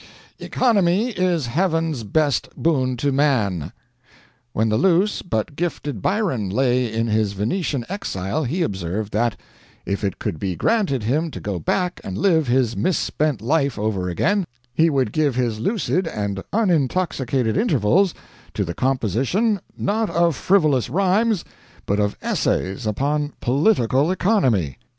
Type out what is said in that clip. ] economy is heaven's best boon to man." When the loose but gifted Byron lay in his Venetian exile he observed that, if it could be granted him to go back and live his misspent life over again, he would give his lucid and unintoxicated intervals to the composition, not of frivolous rhymes, but of essays upon political economy.